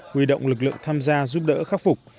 huy động lực lượng tham gia giúp đỡ khắc phục